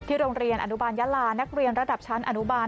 โรงเรียนอนุบาลยาลานักเรียนระดับชั้นอนุบาล